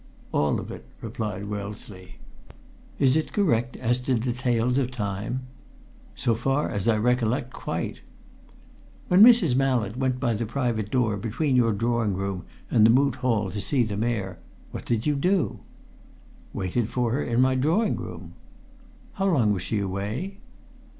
"All of it," replied Wellesley. "Is it correct as to details of time?" "So far as I recollect, quite!" "When Mrs. Mallett went by the private door between your drawing room and the Moot Hall to see the Mayor, what did you do?" "Waited for her in my drawing room." "How long was she away?"